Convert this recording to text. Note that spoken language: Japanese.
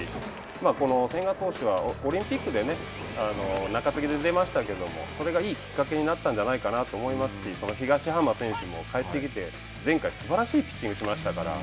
この千賀投手はオリンピックで中継ぎで出ましたけどもそれがいいきっかけになったんじゃないかなと思いますし東浜選手も帰ってきて前回すばらしいピッチングをしましたから。